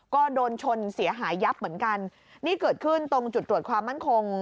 ก็โดนชนเสียหายยับเหมือนกันนี่เกิดขึ้นตรงจุดตรวจความมั่นคง